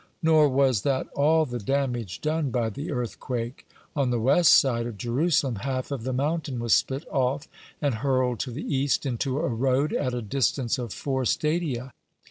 Nor was that all the damage done by the earthquake. On the west side of Jerusalem, half of the mountain was split off and hurled to the east, into a road, at a distance of four stadia.